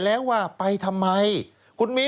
สวัสดีค่ะต้อนรับคุณบุษฎี